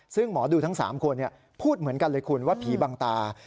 ซึ่งหมอดูทั้ง๓คนพูดเหมือนกันเลยคุณว่าผีบางตา